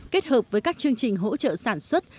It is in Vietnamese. kết hợp với các chương trình hỗ trợ sản xuất